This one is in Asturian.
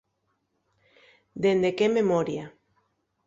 Dende qué memoria.